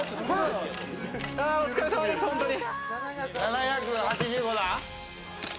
お疲れさまです、本当に。